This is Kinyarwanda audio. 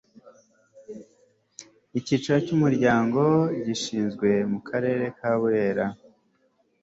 icyicaro cy' umuryango gishyizwe mu karere burera